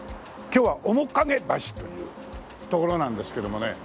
今日は面影橋という所なんですけどもね。